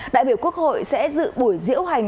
đại biểu quốc hội sẽ dự buổi diễu hành